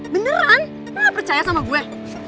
beneran lo gak percaya sama gue